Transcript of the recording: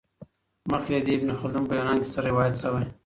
مخکي له دې، ابن خلدون په یونان کي څه روایت سوی؟